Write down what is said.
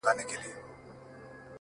خدای زموږ معبود دی او رسول مو دی رهبر؛